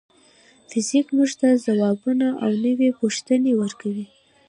فزیک موږ ته ځوابونه او نوې پوښتنې ورکوي.